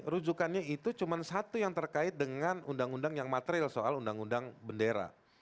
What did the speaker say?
rujukannya itu cuma satu yang terkait dengan undang undang yang material soal undang undang bendera